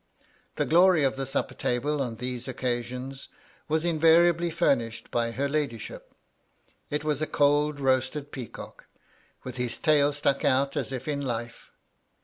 The glory of the supper table on these occar sions was invariably furnished by her ladyship : it was a cold roasted peacock, with his tail stuck out as if in life.